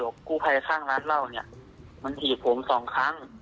กู้ภัยข้างร้านเหล้าเนี่ยมันถีบผมสองครั้ง